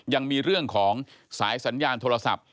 ยังมีเรื่องของสายสัญญาณโทรศัพท์